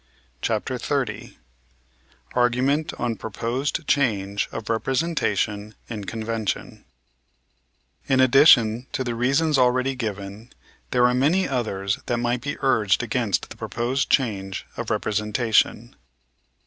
CHAPTER XXX ARGUMENT ON PROPOSED CHANGE OF REPRESENTATION IN CONVENTION In addition to the reasons already given there are many others that might be urged against the proposed change of representation.